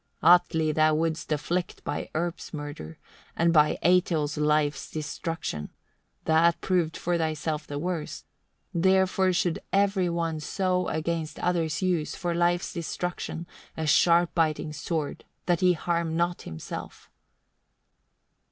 8. "Atli thou wouldst afflict by Erp's murder, and by Eitil's life's destruction: that proved for thyself the worse: therefore should every one so against others use, for life's destruction, a sharp biting sword, that he harm not himself."